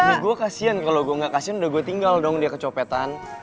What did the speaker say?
karena gue kasian kalau gue gak kasian udah gue tinggal dong dia kecopetan